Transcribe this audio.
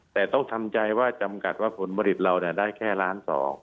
แต่ต้องทำใจว่าจำกัดว่าผลผลิตเราได้แค่ล้าน๒